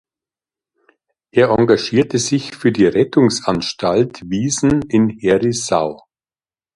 Er engagierte sich für die Rettungsanstalt Wiesen in Herisau.